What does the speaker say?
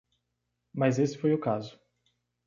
Mas esse foi o caso.